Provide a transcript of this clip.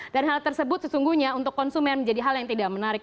dan hal tersebut sesungguhnya untuk konsumen menjadi hal yang tidak menarik